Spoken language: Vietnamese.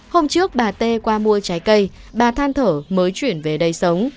hôm trước bà tê qua mua trái cây bà than thở mới chuyển về đây sống